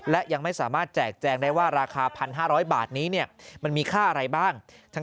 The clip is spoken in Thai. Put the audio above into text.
และยังไม่สามารถแจกแจงได้ว่าราคา๑๕๐๐บาทนี้มันมีค่าอะไรบ้าง